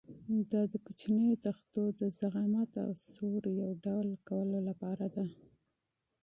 دا د کوچنیو تختو د ضخامت او سور یو ډول کولو لپاره ده.